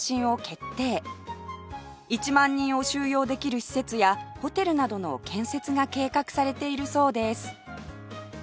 １万人を収容できる施設やホテルなどの建設が計画されているそうです